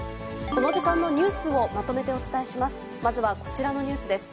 この時間のニュースをまとめてお伝えします。